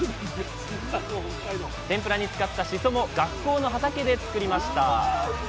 天ぷらに使ったシソも学校の畑で作りました。